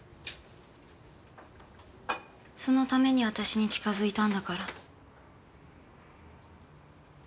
そのために私に近づいたんだから。